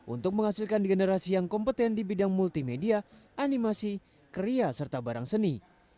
untuk menghasilkan generasi yang kompeten di bidang multimedia animasi kria serta barang seni